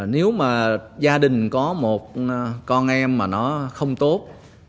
nếu mà gia đình có một con em mà nó không tốt